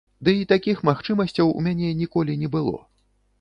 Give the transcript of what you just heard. Ды і такіх магчымасцяў у мяне ніколі не было.